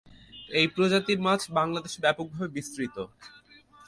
এই প্রজাতির মাছ বাংলাদেশ ব্যাপকভাবে বিস্তৃত।